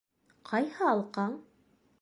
Ҡайһы алҡаң?